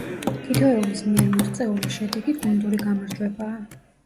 თითოეულის მიერ მიღწეული შედეგი გუნდური გამარჯვებაა.